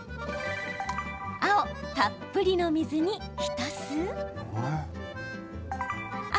青・たっぷりの水に浸す赤・